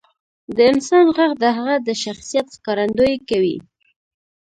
• د انسان ږغ د هغه د شخصیت ښکارندویي کوي.